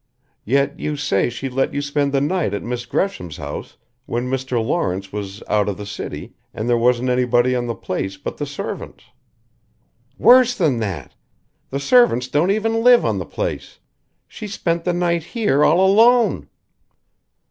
"Yet you say she let you spend the night at Miss Gresham's house when Mr. Lawrence was out of the city and there wasn't anybody on the place but the servants " "Worse than that: the servants don't even live on the place. She spent the night here all alone